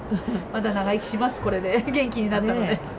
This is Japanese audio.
まだ長生きします、これで、元気になったので。